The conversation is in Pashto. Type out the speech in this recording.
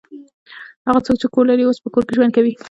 هغه څوک چې کور لري اوس په کور کې ژوند کوي.